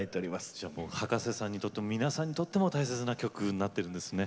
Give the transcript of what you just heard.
じゃあもう葉加瀬さんにとっても皆さんにとっても大切な曲なってるんですね。